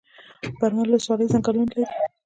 برمل ولسوالۍ ځنګلونه لري؟